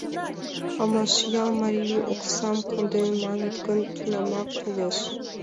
— Памашъял марий оксам конден манат гын, тунамак толеш.